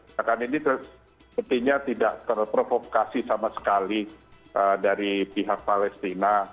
nah kan ini sepertinya tidak terprovokasi sama sekali dari pihak palestina